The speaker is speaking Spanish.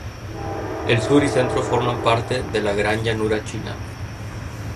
El sur y centro forman parte de la Gran Llanura China.